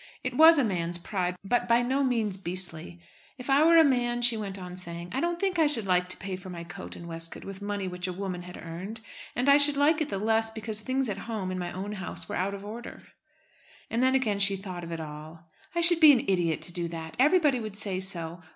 It was a man's pride, but by no means beastly. "If I were a man," she went on saying, "I don't think I should like to pay for my coat and waistcoat with money which a woman had earned; and I should like it the less, because things at home, in my own house, were out of order." And then again she thought of it all. "I should be an idiot to do that. Everybody would say so.